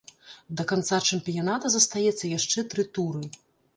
Да канца чэмпіяната застаецца яшчэ тры туры.